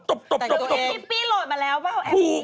นี่ปี้โหลดมาแล้วแอปนี้